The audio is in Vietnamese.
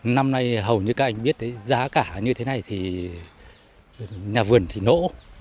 năm nay hầu như các anh biết đấy giá cả như thế này thì nhà vườn thì nổ